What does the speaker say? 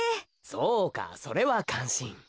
そうかそれはかんしん。